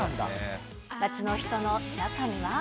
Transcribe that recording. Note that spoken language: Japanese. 街の人の中には。